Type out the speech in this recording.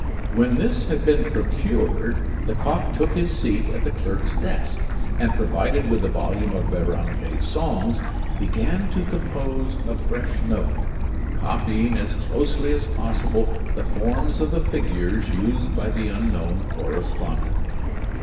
When this had been procured, Lecoq took his seat at the clerk's desk, and, provided with the volume of Beranger's songs, began to compose a fresh note, copying as closely as possible the forms of the figures used by the unknown correspondent.